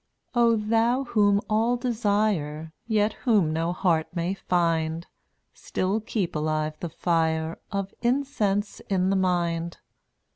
226 Oh, Thou whom all desire Yet whom no heart may find, Still keep alive the fire Of incense in the mind.